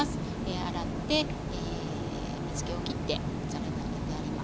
洗って水けをきってざるに上げてあります。